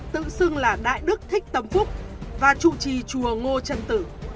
tự xưng là đại đức thích tâm phúc và chủ trì chùa ngô trân tử